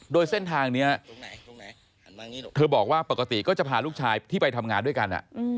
โดยเส้นทางนี้เธอบอกว่าปกติก็จะพาลูกชายที่ไปทำงานด้วยกัน